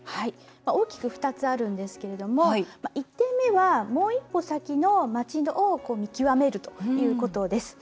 大きく２つあるんですけれども１点目は、もう一歩先の街を見極めるということです。